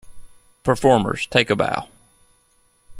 Performers, take a bow!